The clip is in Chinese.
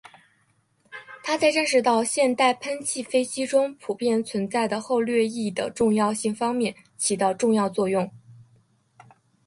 他在认识到现代喷气飞机中普遍存在的后掠翼的重要性方面起到重要作用。